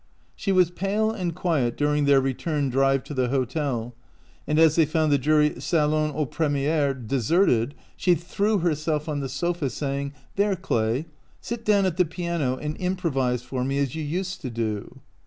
She was pale and quiet during their return drive to the hotel, and as they found the dreary salon au premiere deserted she threw herself on the sofa, saying, " There, Clay, sit down at the piano and improvise for me as you used to do."